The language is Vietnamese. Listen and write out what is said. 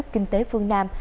kinh tế phương nam